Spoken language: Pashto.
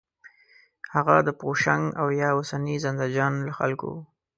هغه د پوشنګ او یا اوسني زندهجان له خلکو و.